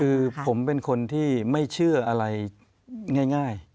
คือผมเป็นคนที่ไม่เชื่ออะไรง่าย